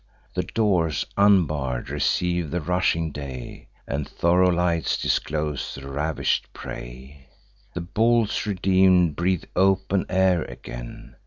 The doors, unbarr'd, receive the rushing day, And thoro' lights disclose the ravish'd prey. The bulls, redeem'd, breathe open air again.